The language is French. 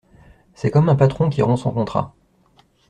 C’est comme un patron qui rompt son contrat.